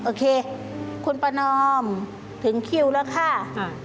โอเคคุณประนอมถึงคิวแล้วค่ะ